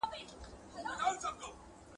کښتۍ بې ملاح نه وي.